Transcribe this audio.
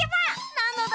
なのだ！